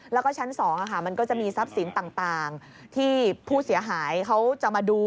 แล้วก็ชั้น๒มันก็จะมีทรัพย์สินต่างที่ผู้เสียหายเขาจะมาดู